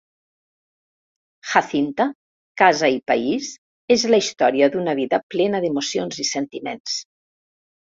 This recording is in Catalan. Jacinta, casa i país és la història d'una vida plena d'emocions i sentiments.